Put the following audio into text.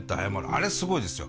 あれすごいですよ。